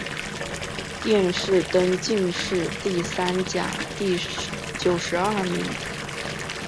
殿试登进士第三甲第九十二名。